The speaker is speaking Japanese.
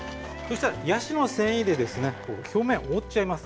ヤシの繊維で表面を覆ってしまいます。